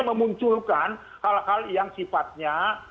memunculkan hal hal yang sifatnya